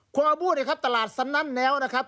ควงอบู้นะครับตลาดสนั่นแนวนะครับ